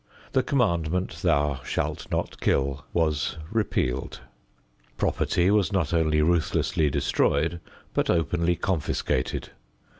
The commandment, "Thou shalt not kill," was repealed. Property was not only ruthlessly destroyed but openly confiscated.